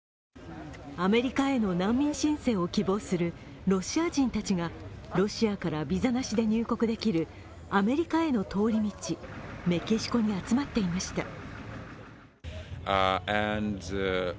アメリカへの難民申請を希望するロシア人たちがロシアからビザなしで入国できるアメリカへの通り道、メキシコに集まっていました。